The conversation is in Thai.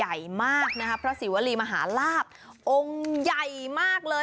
ใหญ่มากนะครับพระศิวรีมหาลาบองค์ใหญ่มากเลย